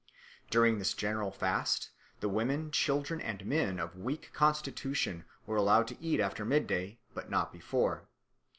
During this general fast, the women, children, and men of weak constitution were allowed to eat after mid day, but not before.